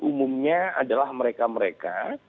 umumnya adalah mereka mereka